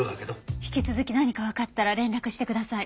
引き続き何かわかったら連絡してください。